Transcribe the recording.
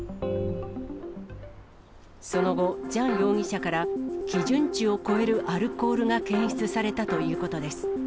その後、ジャン容疑者から基準値を超えるアルコールが検出されたということです。